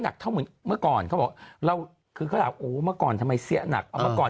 หนักเท่าเหมือนเมื่อก่อนเขาเราคือคราวโอ้วเมื่อก่อนทำไมเสียหนักเอาเมื่อก่อน